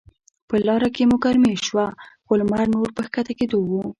په لاره کې مو ګرمي شوه، خو لمر نور په کښته کیدو و.